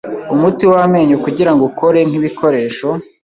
umuti wamenyo kugirango ukore nkibikoresho